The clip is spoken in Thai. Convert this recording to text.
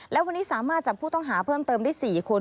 และวันนี้สามารถจับผู้ต้องหาเพิ่มเติมได้๔คน